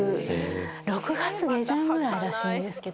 ６月下旬ぐらいらしいんですけど。